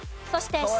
そしてＣ。